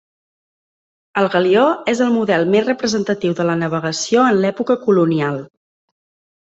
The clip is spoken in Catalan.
El galió és el model més representatiu de la navegació en l'època colonial.